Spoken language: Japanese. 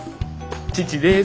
父です。